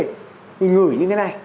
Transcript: thì ngửi như thế này